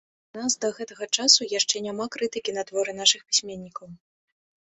У нас да гэтага часу яшчэ няма крытыкі на творы нашых пісьменнікаў.